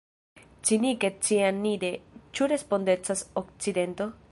Cinike cianide – ĉu respondecas Okcidento?